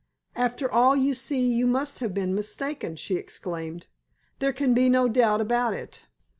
"After all you see you must have been mistaken," she exclaimed. "There can be no doubt about it."